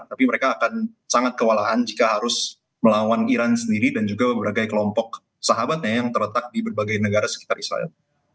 tapi mereka akan sangat kewalahan jika harus melawan iran sendiri dan juga berbagai kelompok sahabatnya yang terletak di berbagai negara sekitar israel